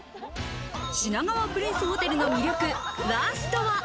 品川プリンスホテルの魅力、ラストは？